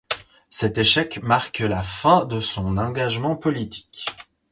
Cet échec marque la fin de son engagement politique.